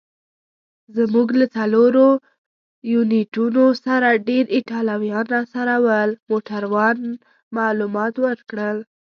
زموږ له څلورو یونیټونو سره ډېر ایټالویان راسره ول. موټروان معلومات ورکړل.